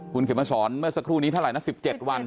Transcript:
คุณเข็มมาสอนเมื่อสักครู่นี้เท่าไหร่นะ๑๗วัน